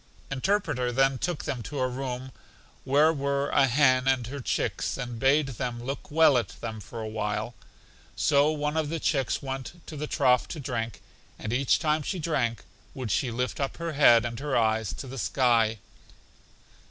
Interpreter then took them to a room where were a hen and her chicks, and bade them look well at them for a while. So one of the chicks went to the trough to drink, and each time she drank would she lift up her head and her eyes to the sky.